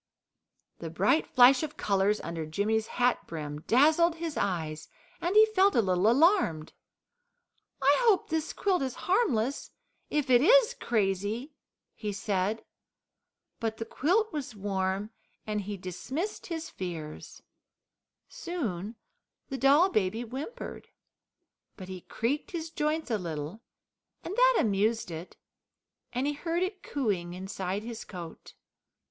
The bright flash of colours under Jimmy's hat brim dazzled his eyes, and he felt a little alarmed. "I hope this quilt is harmless if it IS crazy," he said. But the quilt was warm, and he dismissed his fears. Soon the doll baby whimpered, but he creaked his joints a little, and that amused it, and he heard it cooing inside his coat.